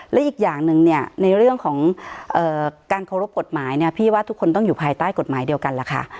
และอีกอย่างหนึ่งเนี่ยในเรื่องของการเคารพกฎหมายเนี่ยพี่ว่าทุกคนต้องอยู่ภายใต้กฎหมายเดียวกันล่ะค่ะ